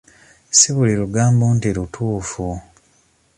Si buli lugambo nti ntuufu.